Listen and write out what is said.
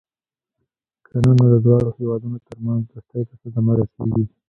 کنه نو د دواړو هېوادونو ترمنځ دوستۍ ته صدمه رسېږي.